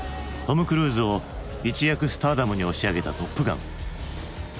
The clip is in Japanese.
トム・クルーズを一躍スターダムに押し上げた「トップガン」。